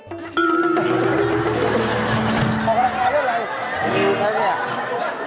ออกกำลังกายเล่นอะไร